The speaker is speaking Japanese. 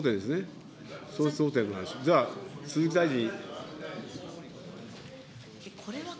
じゃあ、鈴木大臣。